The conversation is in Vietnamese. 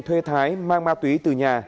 thuê thái mang ma túy từ nhà